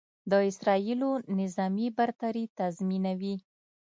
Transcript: د اسرائیلو نظامي برتري تضیمنوي.